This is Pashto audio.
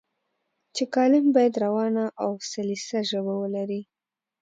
چې کالم باید روانه او سلیسه ژبه ولري.